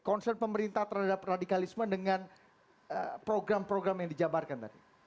concern pemerintah terhadap radikalisme dengan program program yang dijabarkan tadi